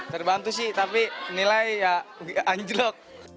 terbantu sih tapi nilai ya anjlok